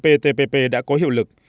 btpp đã có hiệu lực